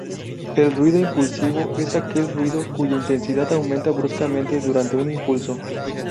El ruido impulsivo es aquel ruido cuya intensidad aumenta bruscamente durante un impulso.